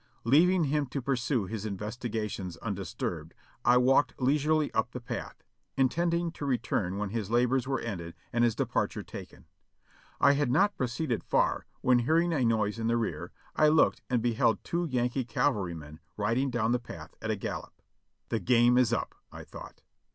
Leaving him to pursue his investigations undisturbed, I walked leisurely up the path, intending to return when his labors were ended and his departure taken. I had not proceeded far, when hearing a noise in the rear, I looked and beheld two Yankee cavalrymen riding down the path at a gallop. "The game is up!" I thought.